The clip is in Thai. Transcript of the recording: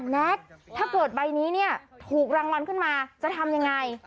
แน็กถ้าเกิดใบนี้เนี่ยถูกรางวัลขึ้นมาจะทำยังไง